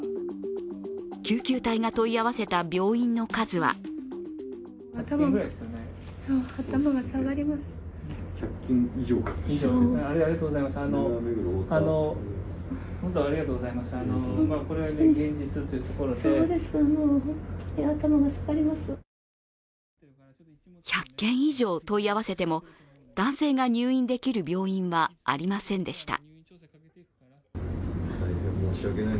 救急隊が問い合わせた病院の数は１００件以上問い合わせても男性が入院できる病院はありませんでした。